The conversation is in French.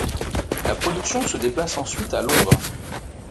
La production se déplace ensuite à Londres.